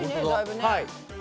はい。